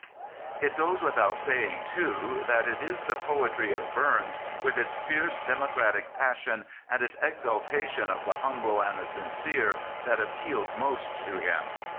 It goes without saying, 86 James Keir Hardie too, that it is the poetry of Burns, with its fierce democratic passion and its exaltation of the humble and the sincere, that appeals most to him.